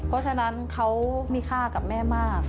เพราะฉะนั้นเขามีค่ากับแม่มาก